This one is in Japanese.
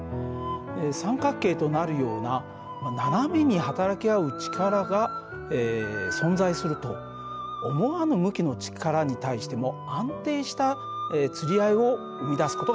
三角形となるような斜めに働き合う力が存在すると思わぬ向きの力に対しても安定したつり合いを生み出す事ができるんです。